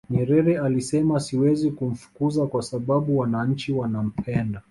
nyerere alisema siwezi kumfukuza kwa sababu wananchi wanampenda